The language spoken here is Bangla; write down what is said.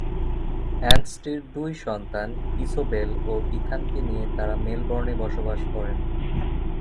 অ্যান্সটির দুই সন্তান ইসোবেল ও ইথানকে নিয়ে তারা মেলবোর্নে বসবাস করেন।